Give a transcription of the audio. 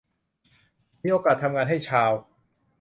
มีโอกาสทำงานให้ชาว